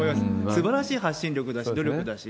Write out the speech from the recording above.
すばらしい発信力だし、努力だし。